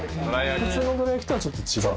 普通のどら焼きとはちょっと違う。